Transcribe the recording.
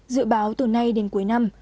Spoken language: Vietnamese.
dự báo từ nay đến cuối năm